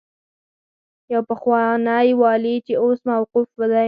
يو پخوانی والي چې اوس موقوف دی.